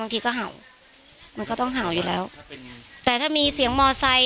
บางทีก็เห่ามันก็ต้องเห่าอยู่แล้วแต่ถ้ามีเสียงมอเตอร์ไซค์อะไร